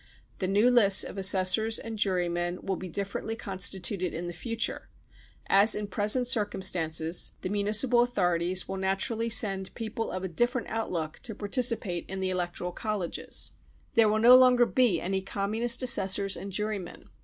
The new lists of assessors and jurymen will be differently r constituted in future, as in present circumstances the THE PERSECUTION OF JEWS 27 1 municipal authorities will naturally send people of a different outlook to participate in the electoral colleges. There will no longer be any Communist assessors and jurymen.